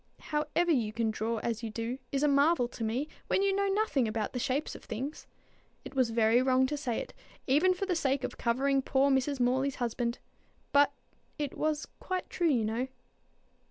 How ever you can draw as you do, is a marvel to me, when you know nothing about the shapes of things. It was very wrong to say it, even for the sake of covering poor Mrs. Morley's husband; but it was quite true you know."